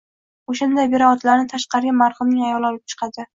O`shandan beri otlarni tashqariga marhumning ayoli olib chiqadi